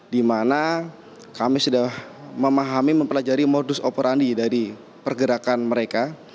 di mana kami sudah memahami mempelajari modus operandi dari pergerakan mereka